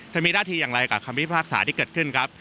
จะมีหน้าที่อย่างไรกับคำพิพากษาที่เกิดขึ้นครับ